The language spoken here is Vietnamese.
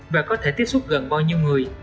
và có thể tiếp xúc gần bao nhiêu người